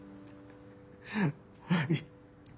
はい。